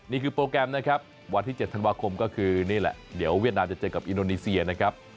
โปรแกรมนะครับวันที่๗ธันวาคมก็คือนี่แหละเดี๋ยวเวียดนามจะเจอกับอินโดนีเซียนะครับ